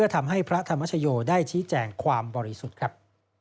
ทำให้พระธรรมชโยได้ชี้แจงความบริสุทธิ์ครับ